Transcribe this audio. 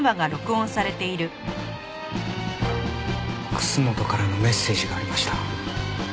楠本からのメッセージがありました。